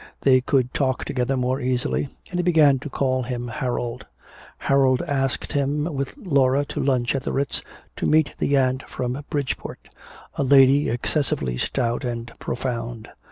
They could talk together more easily, and he began to call him Harold. Harold asked him with Laura to lunch at the Ritz to meet the aunt from Bridgeport, a lady excessively stout and profound.